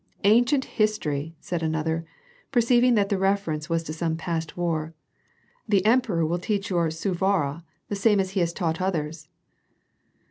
" Ancient history," said another, perceiving that the refer ence was to some past war. " The emperor will teach your Sou vara, the same as he has taught others."